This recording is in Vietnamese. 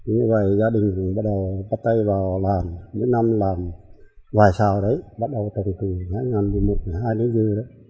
như vậy gia đình bắt tay vào làm mỗi năm làm vài sao đấy bắt đầu từ năm hai nghìn một mươi hai đến giờ